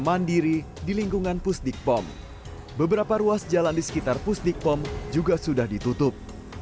mandiri di lingkungan pusdik pom beberapa ruas jalan di sekitar pusdik pom juga sudah ditutup